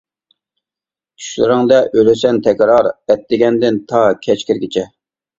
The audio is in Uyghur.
چۈشلىرىڭدە ئۆلىسەن تەكرار ئەتىگەندىن تا كەچ كىرگۈچە.